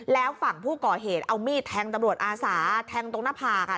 แล้วฝั่งผู้ก่อเหตุเอามีดแทงตำรวจอาสาแทงตรงหน้าผากอ่ะ